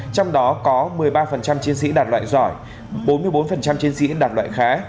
trong đó có một mươi ba chiến sĩ đạt loại giỏi bốn mươi bốn chiến sĩ đạt loại khá